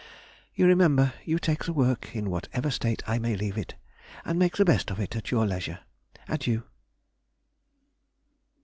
You remember, you take the work in whatever state I may leave it, and make the best of it at your leisure. Adieu.